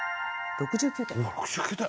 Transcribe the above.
６９点！